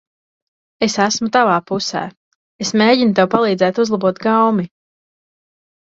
Es esmu tavā pusē. Es mēģinu tev palīdzēt uzlabot gaumi.